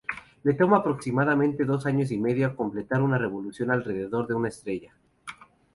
Le toma aproximadamente dos años y medio completar una revolución alrededor de su estrella.